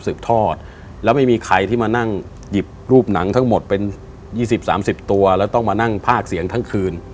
ทอดแล้วไม่มีใครที่มานั่งหยิบรูปหนังทั้งหมดเป็น๒๐๓๐ตัวแล้วต้องมานั่งภาคเสียงทั้งคืน